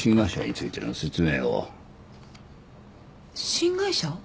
新会社？